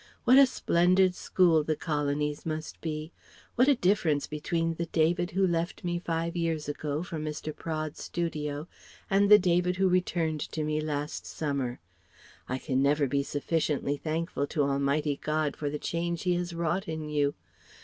What a splendid school the Colonies must be! What a difference between the David who left me five years ago for Mr. Praed's studio and the David who returned to me last summer! I can never be sufficiently thankful to Almighty God for the change He has wrought in you!